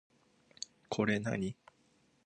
これ何